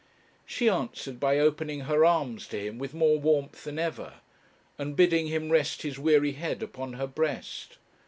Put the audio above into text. She answered by opening her arms to him with more warmth than ever, and bidding him rest his weary head upon her breast.